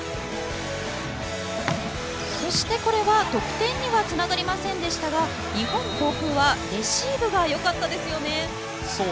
そしてこれは得点にはつながりませんでしたが日本航空はレシーブがよかったですよね。